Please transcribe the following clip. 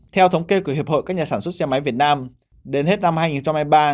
theo thống kê của hiệp hội các nhà sản xuất xe máy việt nam đến hết năm hai nghìn hai mươi ba